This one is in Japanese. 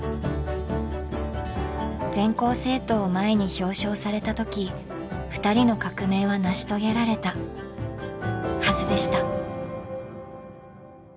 全校生徒を前に表彰された時ふたりの革命は成し遂げられたはずでした。